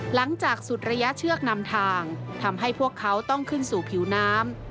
หลังจากสุดระยะเชือกนำทางทำให้พวกเขาต้องขึ้นสู่ผิวน้ำ